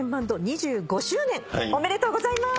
２５周年おめでとうございます！